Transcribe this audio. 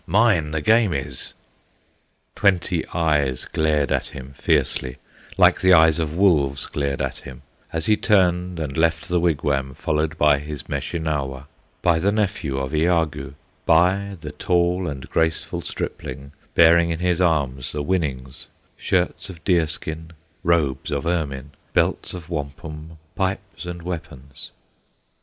mine the game is," Twenty eyes glared at him fiercely, Like the eyes of wolves glared at him, As he turned and left the wigwam, Followed by his Meshinauwa, By the nephew of Iagoo, By the tall and graceful stripling, Bearing in his arms the winnings, Shirts of deer skin, robes of ermine, Belts of wampum, pipes and weapons.